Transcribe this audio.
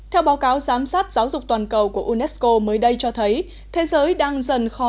theo báo cáo giám sát giáo dục toàn cầu của unesco mới đây cho thấy thế giới đang dần khó